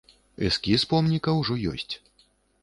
Эскіз помніка ўжо ёсць.